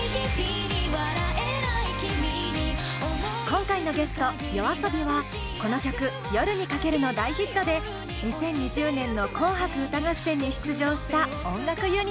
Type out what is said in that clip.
今回のゲストＹＯＡＳＯＢＩはこの曲「夜に駆ける」の大ヒットで２０２０年の「紅白歌合戦」に出場した音楽ユニット。